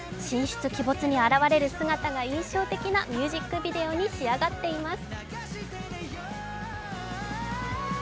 神出鬼没に現れる姿が印象的なミュージックビデオに仕上がっています。